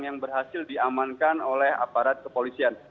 yang berhasil diamankan oleh aparat kepolisian